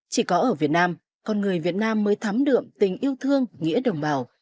chỉ có ở việt nam con người việt nam mới thắm đượm tình yêu thương nghĩa đồng bào